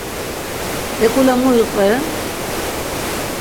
Eǩule mu iqveren?